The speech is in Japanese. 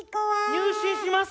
入信しますか？